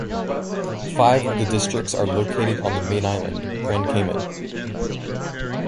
Five of the districts are located on the main island, Grand Cayman.